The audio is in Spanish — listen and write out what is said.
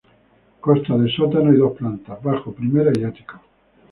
Consta de sótano y dos plantas: bajo, primera y ático.